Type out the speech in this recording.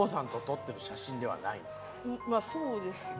まあそうですね。